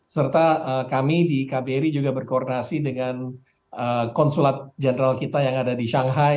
serta kami di kbri juga berkoordinasi dengan konsulat jenderal kita yang ada di shanghai